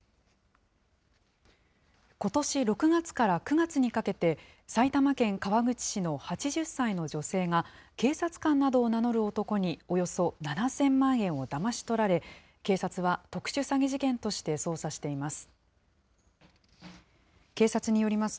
ことし６月から９月にかけて、埼玉県川口市の８０歳の女性が、警察官などを名乗る男に、およそ７０００万円をだまし取られ、警察は特殊詐欺事件として捜査しています。